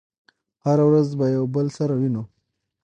هره ورځ به يو بل سره وينو